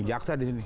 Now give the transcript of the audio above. jaksa di sini